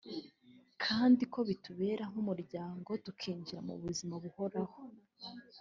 kandi ko bitubera nk’umuryango tukinjira mu buzima buhoraho